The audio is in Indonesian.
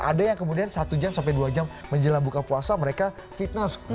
ada yang kemudian satu jam sampai dua jam menjelang buka puasa mereka fitness